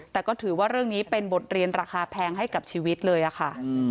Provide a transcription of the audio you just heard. แต่ก็ถือว่าเรื่องนี้เป็นบทเรียนราคาแพงให้กับชีวิตเลยค่ะ